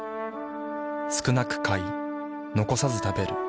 少なく買い残さず食べる。